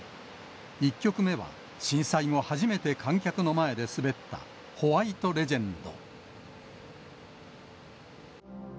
１曲目は、震災後初めて観客の前で滑った、ホワイト・レジェンド。